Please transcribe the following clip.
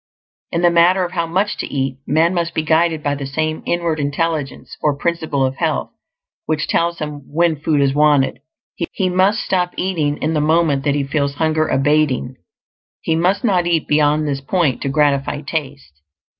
In the matter of how much to eat, man must be guided by the same inward intelligence, or Principle of Health, which tells him when food is wanted. He must stop eating in the moment that he feels hunger abating; he must not eat beyond this point to gratify taste.